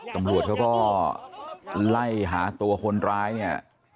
ตำรวจเขาก็ไล่หาตัวคนร้ายเนี่ย